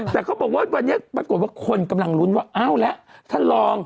แต่เขาบอกว่าวันนี้ปรากฏว่าคนกำลังลุ้นว่าอ้าวแล้วท่านรอง